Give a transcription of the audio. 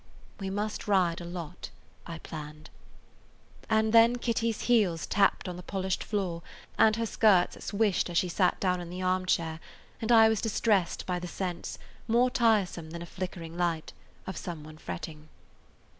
"We must ride a lot," I planned. And then Kitty's heels tapped on the polished floor, and her skirts swished as she sat down in the armchair, and I was distressed by the sense, more tiresome than a flickering light, of some one fretting.